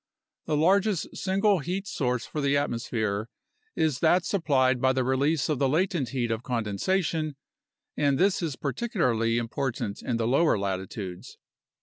The largest single heat source for the atmosphere is that supplied by the release of the latent heat of condensation, and this is particularly important in the lower latitudes.